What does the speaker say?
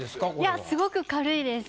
いやすごく軽いです。